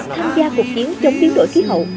tham gia cuộc chiến chống biến đổi khí hậu